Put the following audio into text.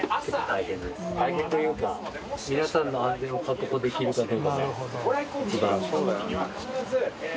大変というか皆さんの安全を確保できるかどうかが一番。